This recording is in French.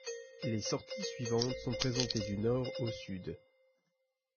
Les sorties suivantes sont présentées du nord au sud.